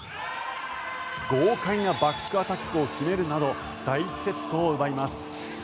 豪快なバックアタックを決めるなど第１セットを奪います。